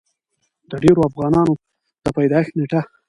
د ډېرو افغانانو د پېدايښت نيټه